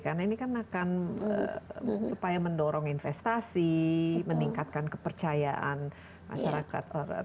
karena ini kan akan supaya mendorong investasi meningkatkan kepercayaan masyarakat atau bisnis